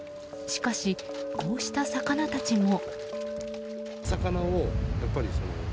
しかし、こうした魚たちも。